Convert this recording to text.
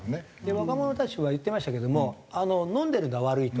若者たちは言ってましたけども飲んでるのは悪いと。